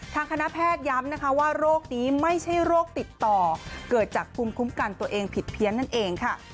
คณะแพทย้ำนะคะว่าโรคนี้ไม่ใช่โรคติดต่อเกิดจากภูมิคุ้มกันตัวเองผิดเพี้ยนนั่นเองค่ะ